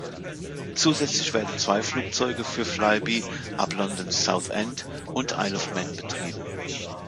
Zusätzlich werden zwei Flugzeuge für flybe ab London-Southend und Isle of Man betrieben.